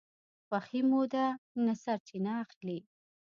خوښي مو ده نه سرچینه اخلي